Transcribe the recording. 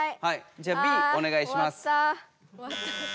じゃあ「Ｂ」おねがいします。